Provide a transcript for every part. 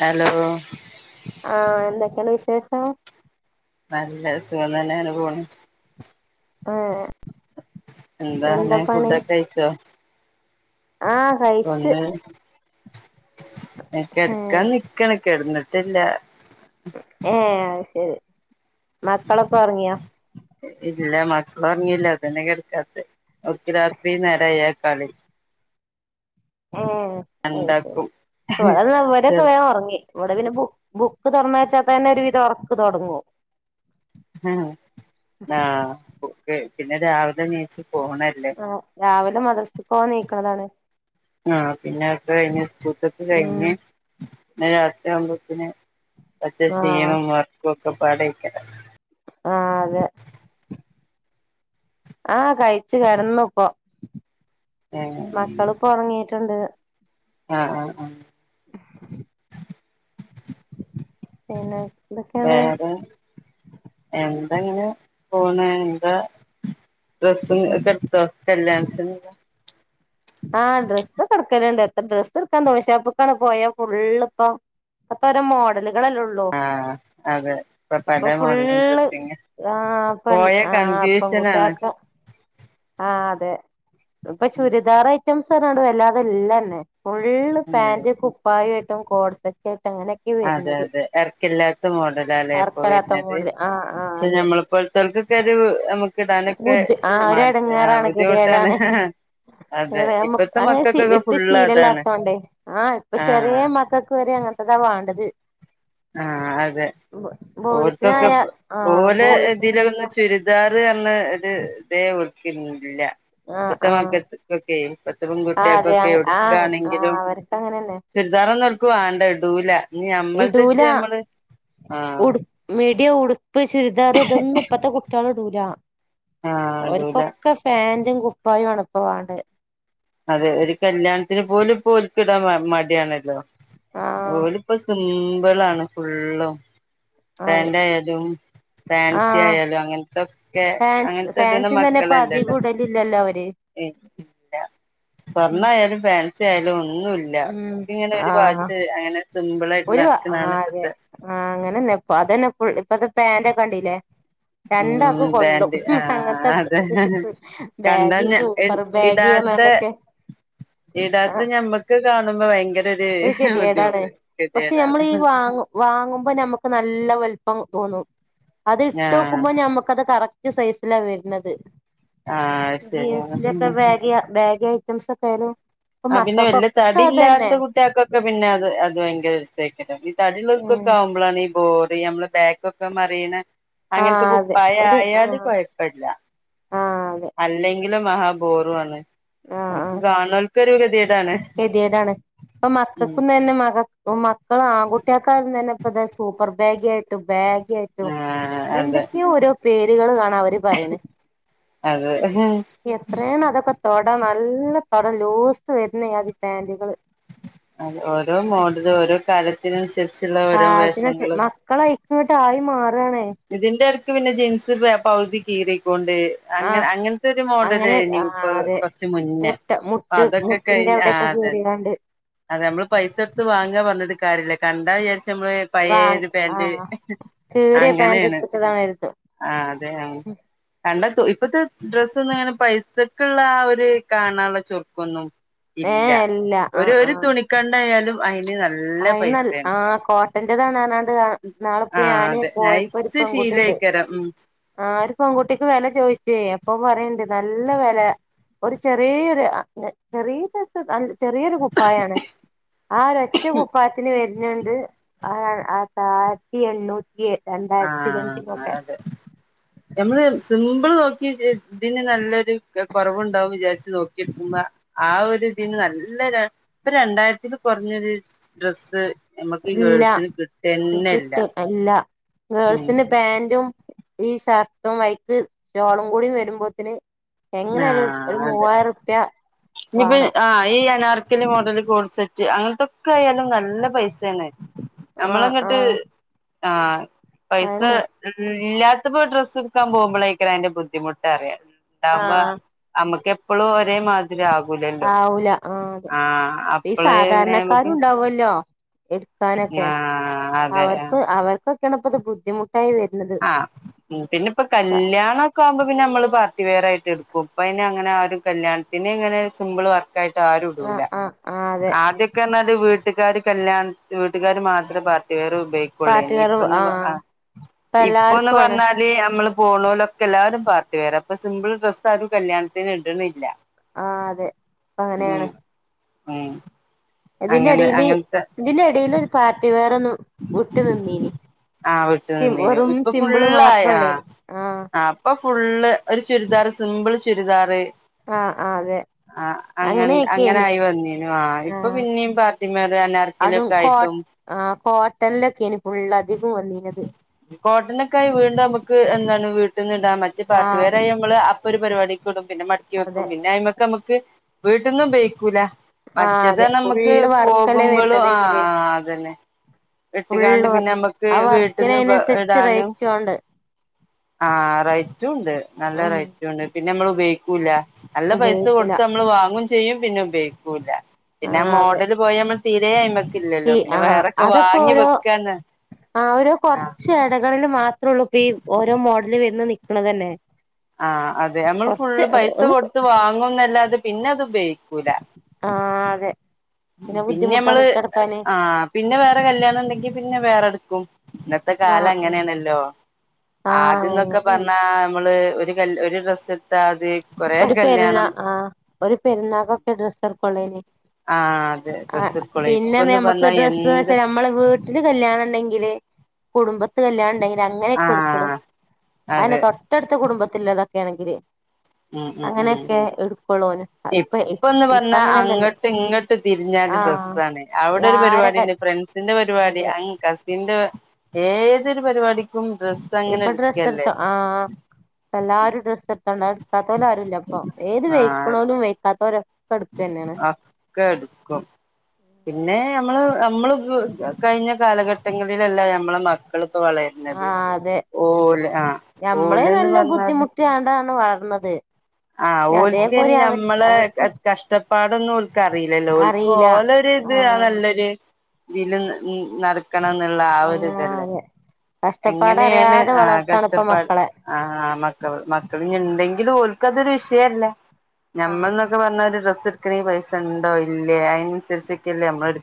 Hello ആഹ എന്തൊക്കെയാണ് വിശേഷം നല്ല സുഖം തന്നെയാണ് പോണ് ആഹ എന്താാണ് ഫുഡൊക്കെ കയിിച്ചോ ആഹ് കഴിച്ച് ഒന്ന് ഏഹ് കിടക്കാൻ നിക്കണ കിടന്നിട്ടില്ല ഏ ശരി മക്കളൊക്കെ ഇറങ്ങിയാ ഇറങ്ങില്ലതന്നെ കിടക്കാത്ത ഒക്കി രാത്രി നേരയ കളിൽ ഏ അ ഉണ്ടാക്കും ശരി വവിടെന്ന് അവരൊക്കെ ചെറു വേൻ ഉറങ്ങി ഇവിടെ പിന്നെ ബ ബുക്ക് തുറന്ന വച്ചാ തന്നെ ഒരു വിധം ഉറക്ക് തുടങ്ങോ ആ ബുക്ക് പിന്നെ രാവിലെ നിച്ച് ആ രാവിലെ മദ്രസ ക്ക് പോവാൻ നീക്കണതാണ് ആഹ പിന്നെ അക്കെ കഴിഞ്ഞ് സ്കൂത്തക്ക ഉം കഴിഞ്ഞ് രാത്രി ആവുമ്പോത്തന് കുറച്ച ആഹ് ക്ഷീണം ഉറക്കം ഒക്കെ പാട്ടെ യക്കാരി ആഹ അതെ ആഹ കഴച്ച്ു കിടന്നപ്പൊ മക്കള്ിപ്പോ ഉറങ്ങിട്ടുണ്ട് ആഹ ആഹ ഉഹ ആ എന്തൊക്കെയാണ് വേറെ എ ങ്ങനെ പോണ എന്താ ഡ്രസ ഒെ എടുത്ത കല്യാണത്തി ന്ന ആഹ ഡ്രസ് കിടക്കലുണ്ട് എത്ര ഡ്രസ്സ് എടുക്കാൻ തുണി ഷോപ്പക്കാണ് പോയ ഫുള്ിപ്പ അപ്പര മോഡല് ല്ലള്ള ആഹ് അതെ പല ഇപ്പൊ ഫ മോഡലും ഡ്രസ്സിങ് പോയ ആ അപ്പം കൺഫ്യൂഷനാണ് കുട്ടിയക്കെ ആ അതെ ഇപ്പൊ ഉം ചുരിദാർ ഐറ്റംസ് തട വല്ലാതെല്ലന്നെ ഫുള്ള് പാാന്റ് കുപ്പായായിട്ടും കോഡ്സ ഒക്കെ അതെ അതെ ഇറക്കില്ലാത്ത മോടലാല എപ്പോ ആർക്കലാത്ത വരുന്നത് മോഡല് ആഹ് ആഹ് പക്ഷെ അതെ നഞമ്മളപ്പോഴത്തർക്കൊക്കെ അത് ബുദ്ധി ആ ഒ അടങ്ങാറാണ് ബുദ്ധിമുട്ടാണ് കെരിയഏഴാണ് അതെ ഇപ്പത്തെ അങ്ങനെ മക്കൾക്കൊക്കെ ഇട്ട് ഫുള്ള് അതാണ് ശീലല്ലാത്തോണ്ടേ ആ് ഇപ്പൊ ചെറിയ ആഹ് മക്കൾക്ക് വര ട്ടതാ വാണ്ടത് ആഹ് അതെ ഓർത്തൊക്കെ ബോയ്സിനായ ആഹ് പോലെ ഇതിലന്ന് ബോയ്സിനായാലും ചുരിദാർ ഒരു ഇതേ ഓൽക്കില്ല ആഹ് ആഹ് പത്തമാക്കക്കൊക്കെ പത്ത പൻ ആ അതെ കുുട്ടികക്കൊക്കെ ആ ആ എടുക്കായാണെങ്കിലും അവർക്ക് അങ്ങനെന്നെ ചുരിദാറന്ന്ൊറക്കു വേണ്ട ഡൂല ഇ നമ്മൾത്തെച്ച നമ്മള് ആഹ് ഉ മീടിയ ഉടുപ്പ് ചുരിദാർ ഇതൊന്നന്ന് ഇ പത്തെ കുട്ടികള ഇടൂല ആഹ് ഇടൂല അവർക്കൊക്കെ ഫാൻറും കുപ്പായും അണപ്പ വണ്ട് അതെ ഒരു കല്യാണത്തിന് പോലും പോൽക്കിടാൻ മടിയാണല്ലോ ആ ഓലപ്പൊ സിമ്പിളാണ് ഫുുള്ളും അ പാൻറ ആയാലും ആ ഫാൻസി ആയാലും അങ്ങനെ ഇതൊക്കെ ഫാൻസ് അങ്ങനത്തെ ഇടുന്ന ഫാൻസി തന്നെ ഇപ്പ മക്കളല്ലേല്ലല്ല അധികം ഇടലില്ലല്ലോ അവര് സ്വർണ ഉം ആയാലും ഫാൻസി ആയാലും ഒന്നുമല്ല ഉം ഇങ്ങനെ ആ ഒരു വാച്ച് അങ്ങനെ സിമ്പിൾ ആയിട്ട് ഒരു ആ നടക്കണാണ് ഇപ്പത്തെ അതെ ആ അങ്ങനെന്നെപ്പ അതന്നെ ഇപ്പ പാൻറ് ഒക്കെ കണ്ടില്ലേ രണ്ടാക്ക ഉം കൊള്ളും പാന്റ് ആഹ് അങ്ങനത്തെ അതെ കണ്ടാ ബാഗി ഞ സൂപ്പർ ബാഗി തൊക്കെ ഇടാത്ത് ഞമ്മക്ക് കാണുമ്പോ ഭയങ്കര ഒരു കെതിയേടാണ് ബുദ്ധിമുട്ട് പക്ഷെ ഗതികേടാണ് നമ്മൾീഈ വാങ്ങ വാങ്ങുമ്പോ നമുക്ക് നല്ല വലപ്പം തോന്നും അത് ഇട്ട് ആഹ് നോക്കുമ്പോ ഞമ്മുക്കത് കറക്റ്റ് സൈസിലാണ് വരുന്നത് ആഹ് ശരിയാണ് ജീൻസിന്റെറെ ഒക്കെ ബാഗ ബാഗ് ഐറ്റംസ് ഒക്കെന ആ പിന്നെ വല്ല തടില്ലാത്ത കുട്ടികക്കെ ഒക്കെ പിന്നെ അത് അത് ഭയങ്കര രസക്കട്ടും ഈ ഉം തടിലൊർക്കൊക്കെ ആവുമ്പോഴാണ് ബോർ നമ്മള് ബാാക്കൊക്കെ മറീണ ആ അങ്ങനത്തെ അതെ കുപ്പായ ഒരു ആ ആായല് കുഴപ്പടില്ല ആ അതെ അല്ലെങ്കിലും മഹാബോറു ആണ് നമുക്ക് കാൺനോൽക്ക് ഒരു കെതിയെ കെതെടാണ് ഇപ്പം ഉം മക്കക്കും തെന്നെ മക പ്പം മക്കൾ ആൺകുട്ടിയാക്കായാലും തന്നെ ഇപ്പ ഇതാ സൂപ്പർ ബാഗ് ആയിട്ടും ബാ ഗെയ്ട്ടും ആഹ് അതെ എന്തൊക്കെയോ ഓരോ പേരുകൾ കാണാം അവര് പറിണ് അതെ തൊട നല്ല തൊട ലൂസ് വെര്നയാതി പാന്റ്കൾ അതെ ഓരോ മോഡൽ ഓരോ കാലത്തിൻ അൻസെര് ചെല ഓരോ കാലത്തിന വേഷങ്ങൾ മക്കളയിക്കങ്ങോട്ട് ആയി മാറാണേ ഇതിന്റെ എടക്ക് പിന്നെ ജിൻസ് പേ പയുതി കീറിക്കോൺ ണ്ട് അങ്ങനെ ആഹ് അങ്ങൻത്തൊ ഒരു അങ്ങനെ മോഡലെയ്നി ആഹ് ഇപ്പം അതെ കൊർച്ച് മുന്നെ ഇപ്പ അതൊക്കെ കഴിഞ്ഞാണ്ട് വ്ടെക്കെ കീറി കാണ്ട് അതെ നമ്മൾ പൈസ കൊട്ത്ത് വാങ്ങാ പർൺട്ട് കാര്യ ഇല്ല കണ്ടാ വിചാര്‌ച്ചും ഞമ്മള് പഴെ വാ ഒരു പാന്റ്- ആഹ് കീറിയ പാന്റ് അങ്ങനെയാണ് എടുത്തിട്ടതാണരുത് ആ അതേയാ കണ്ടാ തൊ ഇപ്പത്തെ ഡ്രസ്സ് ഒന്നും പൈസക്കുള്ള ആ ഒരു കാണാനുള്ള ചുറുക്കൊന്നും- ഇല്ല ഏഹ് അല്ല ഒരു ഒരു തുണിക്കണ്ടായാലും അയിന് നല്ല ആയിന്നല [unintelligible] പൈസയാണ് ആ കോട്ടൻ്റെതാണ് നാള ഇപ്പ ആ ഞാന് അതെ പോയപ്പോ [unintelligible] നൈസ് പെൺകുട്ടിണ്ട് ശീലയ്ക്കാരം ഉം ആ ഒരു പെൺകുട്ടിക് വെല ചോയിച്ചേ അപ്പൊ പറയ്ണ്ട് നല്ല വെല ഒരു ചെറിയൊരു ആഹ് ചെറിയ [unintelligible] ചെറിയൊരു കുപ്പായാണ് ആ ഒരൊറ്റ കുപ്പായത്തിന് വര്ന്ണ്ട് ആ ആതാ ആത്തി എണ്ണൂറ്റി- രണ്ടായിരത്തി സംതിങ് ആഹ് ഒക്കെ അതെ ഞമ്മള് സിമ്പിൾ നോക്കി ഇതിന് നല്ലൊ കൊറവുണ്ടാവു വിചാരിച്ചു നോക്കിട്ട് മ്പ ആ ഒരു ഇതിന് നല്ല ഇപ്പ രണ്ടായിരത്തിൽ കൊറഞ്ഞൊരു ഡ്രസ്സ്- ഞമ്മക്ക് ഇല്ല ഗേൾസിന് കിട്ടെന്നെല്ല ഗേൾസിന്ന് പാന്റും ഈ ഷർട്ടും വൈ [unintelligible] ക്ക് ഷോളും കൂടി വരുമ്പോത്തിന്- എങ്ങനെ ഒരു ആഹ് ഒരു അതെ മൂവായിരം റുപ്യ ഇനിപ്പ വേണം ആ ഈ അനാ ർക്കലി മോഡല് കോഡ്സെറ്റ് അങ്ങനത്തൊക്കെയായാലുംനല്ല പൈസേണ് ആഹ് ഞമ്മളങ്ങട്ട് ആഹ് ആഹ് പൈസ അതന്നെ ഉം ഇല്ലാത്തപ്പോ ഡ്രസ്സെടുക്കാൻ പോകുമ്പോളരിക്കും അതിന്റെ ബുദ്ധിമുട്ട്റിയാം ഇണ്ടാവുമ്പൊ ആഹ് നമ്മുക്ക്- എപ്പളും ഒരേ മാ ആവൂല ആ അതെ ആഹ് ഈ അപ്പള് പിന്നെ നമുക്ക് സാധാരണക്കാരുണ്ടാവുവല്ലോ എടുക്കാനൊക്കെ ആഹ് അതെ അവർക്ക് അവർക്കൊക്കെയാണിപ്പത് ബുദ്ധിമു ആഹ് പിന്നെ ഇപ്പൊ കല്യാണൊക്കെ ആവുമ്പോ പിന്നെ നമ്മള് പാർട്ടി വെയർ ആയിട്ട്- തെറുക്കും ഇപ്പോ ഇനി അങ്ങനെ ആ ഒരു കല്യാണത്തിന് ഇങ്ങനെ സിമ്പിൾ വർ- കായിട്ട് ആരു ആഹ് ഇടൂല ആഹ് ആഹ് അതെ ആദ്യൊക്കെ ർഞ്ഞാല് വീ വീട്ടുകാര് കല്യാണ വീട്ടുകാര് മത്രം പാർട്ടി വെയർ ഉപയോഗിക്കുള്ളെ ഇനി പാർട്ടിവെയർ ഇപ്പൊന്ന്- ആഹ് ഇപ്പ ഇപ്പൊന്ന് എല്ലാർക്കും ആണ് പറഞ്ഞാല് ഞമ്മള് പോണൊലൊക്കെ എല്ലാവരും പാർട്ടി വെയ്റ- ഇപ്പൊ സിമ്പിൾ ഡ്രസ്സാരും കല്യാണത്തിന് ഇട്ണില്ല ആ അതെ അങ്ങനെയാണ് ഉം ഇതിന്റെ അങ്ങനെ എടേല് അങ്ങനത്തെ ഇതിന്റെ എടേല് ഒരു പാർട്ടി വെയർ ഒന്ന് വിട്ട് നിന്നീനി ആഹ് വിട്ട് സിം നിന്നിനി വെറും ഇപ്പൊ സിമ്പിള് ഫുള്ളായ മാത്രൊള്ളേനി ആഹ് അപ്പോ- ഫുള്ള് ഒരു ചുരിദാർ സിമ്പിള് ചുരിദാറ് ആഹ് ആഹ് അതെ ആഹ് അങ്ങ് അങ്ങനെയൊക്കേനി അങ്ങനായി വന്നീനു ആഹ് ഇപ്പൊ പിന്നിം പാർട്ടിവെയർ അതും കോ അനാർക്കലിയൊക്കായിട്ടും ആഹ് കോട്ടണ്ലക്കേനിപ്പോ കോട്ടനൊക്കെ ആയി വീണ്ടും നമക്ക് എന്താണ് ട്ട് ന്നിടാം മറ്റെ ആഹ് പാർട്ടിവെയർ ആയ നമ്മള് അപ്പൊ ഒരു പരിപാടിക്ക് ഇടും പിന്നെ മടക്കിവെക്കും അതെ പിന്നെ അയ്മക്ക് നമക്ക് വീട്ടിന്നും ഉപയിക്കൂല ആഹ് മറ്റേത് അതെ നമുക്ക് ഫുള്ള് വർക്കല്ലേ പോകുമ്പളും വരുന്നതയ്മല് ആഹ് അതെന്നെ ഇട്ടുകാണ്ട് ഫുള്ള് വർ പിന്നെ നമ്മക്ക് ആ വീട്ടിന്ന് വർക്കിനയ്നനുസരിച്ച് ഇടാനും റേറ്റുണ്ട് ആഹ് റൈയിറ്റും ഉണ്ട് നല്ല ഉം റൈറ്റുണ്ട് പിന്നെ നമ്മള് ഉപയി ക്കൂല നല്ല പൈസ ഉപയോഗിക്കൂല കൊടുത്ത് നമ്മള് വാങ്ങും ചെയ്യും പിന്നെ ഉപയോഗിക്കൂല്ല പിന്നെ ആഹ് അതെ മോഡല് പോയാമ്മൾ തീരെ ഈ അയ്മ്മക്ക്ല്ലല്ലോ പിന്നെ ആഹ് വേറൊക്കെ അതൊക്കെ വാങ്ങി ഓരോ വെക്കാന്ന് ആ ഒരൊ ആഹ് കൊറച്ച് ഇടങ്ങളിൽ മാത്രൊള്ളു ഇപ്പ ഈ ഓരോ മോഡല് വരുന്ന് നിക്ക്ണത് തന്നെ ആഹ് അതെ നമ്മൾ കൊറച്ച് ഫുള്ള് പൈസ കൊടുത്ത് വാങ്ങുന്നല്ലാതെ പിന്നെ അത് ഉപയോ ക്കൂല ആ അതെ പിന്നെ ബുദ്ധിമുട്ടാണ് പിന്നമ്മള് ഇട്ടെടുക്കാന് ആ പിന്നെ വേറെ കല്യാണം ഉണ്ടെങ്കി പിന്നെ വേറെ ന്ന്ക്കും ഇന്നത്തെ ആ കാലങ്ങനേണല്ലോ ആ ആദ്യന്നൊക്കെ അങ്ങന്നെ പറ്ഞ്ഞാ ഞമ്മള് വെ കെ ൽ ഒര് ഡ്രസ് എട്ത്താ ത് ഒരു പെരുന്നാ ആഹ് ഒരു പെരുന്നാക്കൊക്കേ ഡ്രസ്സ് എടുക്കോള്ളേനി ആഹ് അതെ ആ ഡ്രസ്സ് എടുക്കുള്ളൂ പിന്നെ ഇപ്പൊന്ന് ഞമ്മക്ക് പറഞ്ഞാ ഡ്രസ്സ് എന്ത് വെച്ചാ ഞമ്മളെ വീട്ടില് കല്യാണം ണ്ടെങ്കി യില് കുടുംബ കല്യാണം ണ്ടെങ്കില് അങ്ങനെപ്പൊ എടുകുളു ആഹ് അനെ അതെ തൊട്ടട്ത്ത് കുടുംബത്തില്ലതാ. ക്ക ആണെങ്കില് ഉം ഉം ഉം അങ്ങനെയൊക്കെ എടുക്കുള്ളൂന് ഇപ്പ ഇപ്പന്ന് ഇപ്പ പറണ അങ്ങനെല്ലല്ലോ അങ്ങട്ട് ഇങ്ങട്ട് തിരിഞ്ഞാൽ ആ ഡ്രസ്സാണ് അവ്ടെ ഒരു ആരെ പരിപാടി ണ്ട് ഫ്രണ്ട്സിന്റെ പരിപാടി അതെ അങ് കസിന്റെ ഏതൊരു പരിപാടിക്കും ഡ്രസ്സ് അങ്ങനെ ഇപ്പൊ ഡ്രസ്സ് ട്ക്കല്ലേ എടുത്തോ ആ എല്ലാരും ഡ്രസ്സ് [unintelligible] ഇട്ക്കാത്തോലാരുല്ലപ്പം ഏത് വെയ്ക്കുണോനും വെയ്കാത്തോരൊ അക്കെ ടുക്കും പിന്നെ അമ്മള് അമ്മള് പ്പ് ക കഴിഞ്ഞ കാലഘട്ടങ്ങളിലല്ല ഞമ്മളെ മക്കള് ആ അതെ ആഹ് ഞമ്മളെ ഓല്ന്ന് നല്ല ബുദ്ധിമുട്ടി ണ്ട ന്ന് വള ന്നത് ആഹ ഓല്ക്നി ഞമ്മളെ ക അവർക്ക് കഷ്ട പ്പാടൊന്നും ഓൽക്ക്‌ അറിയില്ലല്ലോ ഓൽക് അറിയില്ല ഓലെ ര് ത് ആ ആഹ് നല്ലൊര് തില് നടക്കണം ന്ന്ള്ള ആ ഒര് ആഹ് തല്ലേ.? അതെ കഷ്ടപ്പാട് എങ്ങനെയാണ് അറിയാതെ ആ വളർത്താണ് ഇപ്പ കഷ്ടപ്പാട് മക്കളെ ആ മക്കൾ മക്കൾ ഞ്ഞ് ണ്ടെങ്കിലും ഓ ത് തൊരു വിഷയല്ല ആഹ് ഞമ്മൾന്നൊക്കെ പർണല് ഡ്രസ്സ് എടുക്കണേൽ പൈസ ണ്ടോ ഇല്ലേ അയ് ക്കെല്ലേ അമ്മളെടു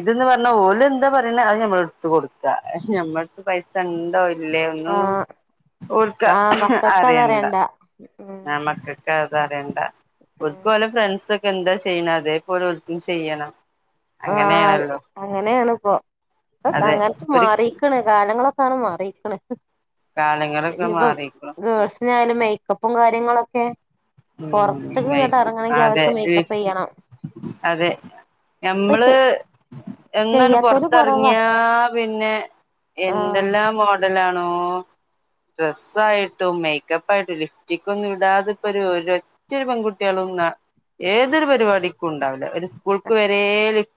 ഇതന്ന് പറണ ഓല് ന്താ പറയ്ണെ അഹ് ഞമ്മൾ എടുത്ത് കൊടുക്കാ ഞമ്മക്ക് പൈസ ണ്ടോ ല്ലേ അന്നൊന്നും ആഹ് ഓര്ക്ക ആഹ് മക്കക്ക് അറിയണ്ട അതറിയണ്ട ഉം ആ മക്കക്ക്‌ അത് അറിയണ്ട ഒര് കൊലെ ഫ്രണ്ട്സ് ക്കെ എന്താ ചെയ്യ്ന്നെ അതെ പ്പോലോര് ക്കും ചെയ്യണം. ആ അങ്ങനെയാണല്ലോ അങ്ങനെയാണ് പ്പൊ അതെ അങ്ങനത്തെ ഒരു മാറിക്ണ് കാലങ്ങളൊക [unintelligible] മാറിക്ക്ണ് കാലങ്ങളൊക്കെ ഞ്ഞിപ്പം മാറിക്ക്ണു [unintelligible] യാലും മേക്കപ്പും കാര്യങ്ങളൊക്കെ ഉ പൊറത്ത്ക്ക് ഇങ്ങട്ട് വൈക്കും എറങ്ങണെങ്കി ആകെ അവർക്ക് ല് മേക്കപ്പ് ചെയ്യണം അതെ. ഇപ്പൊ ഞമ്മള് ചെ എന്നണ് ചെയ്യാത്തോല് കൊറവാ പൊറത്തെറങ്ങിയാ പിന്നെ ആഹ് എന്തെല്ലാം മോഡലാണോ ഡ്രസ്സായിട്ടും മേ ക്കപ്പായിട്ടും ലിഫ്റ്റിക്കൊന്നും ഇടാതപ്പൊരു ഒ രൊറ്റ പെൺകുട്ട്യേളും ന്നാ ഏതൊരു പരിപാടിക്കുണ്ടാവൂല ഒര് സ്കൂൾക്ക് വരെ ലിപ്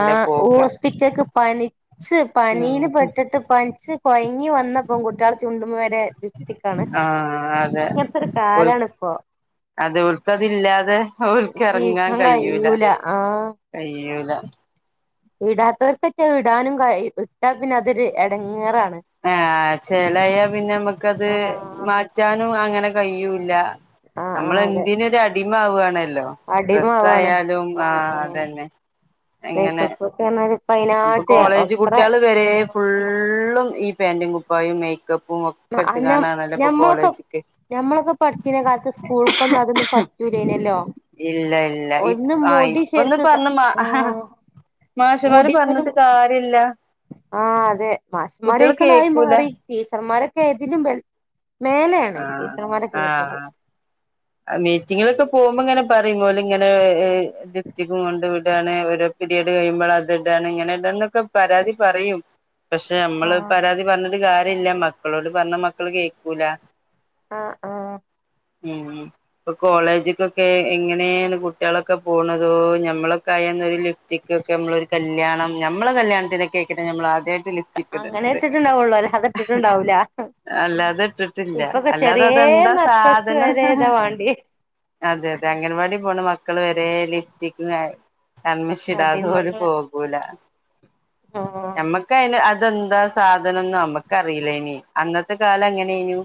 ആ ഓ സ്പിറ്റക് പണി ച്ച് ഉം പനീല് പെട്ട്ട്ട് പന്ച്ച് കൊയങ്ങിവന്ന പെൺക്കുട്ട്യാള് ചുണ്ടുമ വരെ ലിപ്സിക്കാണ് ആഹ് അങ്ങൻത്തെ ര് കാലണ പ്പോ. അത്വർക്ക് അതില്ലാതെ ഓർക്ക് എറങ്ങാ ജീവിക്കാൻ കയ്യൂല കഴിയൂല കയ് യുല ഇടാതോര്ക്കൊക്കെ ഇടാനും കയ്‌ ഇട്ടാ പിന്നെ അതൊരു എടങ്ങേറാ ആഹ് ഹ് ചെലയ പിന്നെ മ്മക്കത് ആഹ് മാറ്റാനും അങ്ങനെ കയൂല്ല ആഹ് ആഹ് അതെ നമ്മളെന്തിനൊരു അടിമാവാണ് ല്ലോ ഡ്രസ അടിമാവാണ് യാലും ആ ആഹ് ആഹ് അതന്നെ എങ്ങനെ.? മേക്കപ്പൊക്കെർഞ്ഞാല് അപ്പൊ ഇപ്പയ്നായിട്ട് കോളേജ് എത്ര കുട്ട്യേള് വരെ മോഡലാണ് ഫുള്ളും ഈ പാന്റും കുപ്പായും മേക്കപ്പും ഒക്കെ ട്ട് അത് ഞ കാണാണല്ലോ പ്പൊ ഞമ്മളൊക്കെ കോളേജ്ക്ക്‌. ഞമ്മളൊക്കെ പഠിച്ചിന കാലത്ത് സ്കൂൾക്കൊന്നും അതൊന്നും പറ്റൂലേനെല്ലോ.. ഇല്ല ഇല്ല ഇ ആ ഇപ്പൊന്ന് ശരിക്ക് പറണ്ണ മാ ആ ഹ ഹ ആഹ് മാഷ് മുടിമ്മലും ആ അതെ മാശ് മാര കുട്ടികള് യിക്ണ കേക്കൂല മാറി അമ്മാരൊക്കെ ഏതിലും ബെൽ ആ ആഹ്ആ ഹ് മീറ്റിങ്ങിലൊക്കെ പോകുമ്പോ ഇങ്ങനെ പറയും ഓല് ഇങ്ങനെ ലിഫ്റ്റി കും കൊണ്ട് വിടാണ് ഓരോ പിരീഡ് കഴിയുമ്പള ത് ടാ ഇങ്ങനെല്ല പ്പം പരാതി പറയും പക്ഷെ നമ്മൾ ആഹ് പരാതി പരൺട്ട് കാര്യയില്ല മക്കളോട് പർണാ മ ക്കൾ കേക്കുലാ ആ ആ ഉം ഇപ്പ കോളേജ്ക്കൊക്കെ എങ്ങനെയെണ് കുട്ടാളൊക്കെ പോണതോ ഞമ്മളൊക്കെ ആയി ന്ന് ഒര് ലിഫ്റ്റിക്കൊക്കെ ഞമ്മൾ ഒര് കല്യാണം ഞമ്മളെ കല്യാണത്തിനൊക്കെയ്ക്കാരം ഞമ്മൾ ആദ്യ ആ ത് ലീപ്പ്സ്റ്റിക്ക് അങ്ങനെ ഇട്ണത് ഇട്ടിട്ടുണ്ടാവുള്ളൂ അല്ലാതെ ഇട്ടിട്ടുണ്ടാവൂല അല്ലാതെ ഇട്ട്ട്ട് ഇല്ല ഇപ്പൊക്കെ അല്ലാതെ ചെറിയ അത് എന്താ മക്കൾക്ക് സാധനം വരെ ഇതാ വാണ്ടിയെ അതെ അതെ അംഗൻവാടി പോണെ മക്കൾ വെരെ ലിഫ്റ്റിക്കും കാ കൺമെഷി ഇടാതെ ഓൽ അടിമകളാ പോകുലാ ആഹ് ഞമ്മക്ക് അയിന് അത് അതെന്താ സാധനംന്ന് അമ്മെക്ക് അറിലെയ്നി അന്നത്തെ കാലം അങ്ങനെയ്നു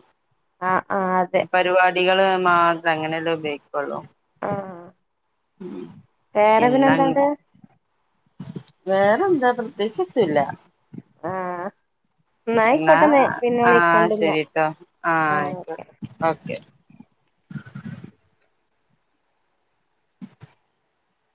ആഹ് ആഹ് അതെ പരിപാടികൾ മാത്രം അങ്ങനെ എല്ലാം ഉപയോ ക്കെള്ളു ആഹ് വേറെ ഇന്ന് അങ്ങ പിന്നെന്താണ്ട് വേറെന്താ പ്രതേയിച്ച് എത്തും ഇല്ല ആഹ് ഇന്നാ ന്നായിക്കോട്ടെ ന്നെ പിന്നെ ആ വിളിക്കണ്ട്ന്നാ ശരിട്ടോ ആ ആഹ് ആയിക്കോട്ടെ ഓക്കെ ഉ